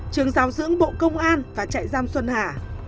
trường giáo dưỡng bộ công an và chạy giam xuân hà